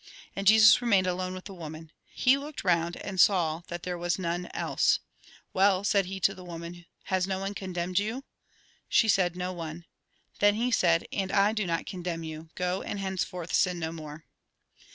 And Jesus remained alone with the woman. He looked round, and saw that there was none else. " Well," said he to the woman, " has no one condemned you ?" She said :" No one." Then he said :" And I do not condemn you. Go, and henceforth sin no more."